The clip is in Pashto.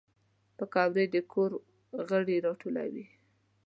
پکورې د کور غړي راټولوي